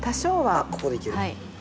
あっここでいける。